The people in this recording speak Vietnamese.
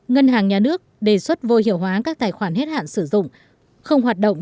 ngân hàng nhà nước đề xuất vô hiệu hóa các tài khoản hết hạn sử dụng không hoạt động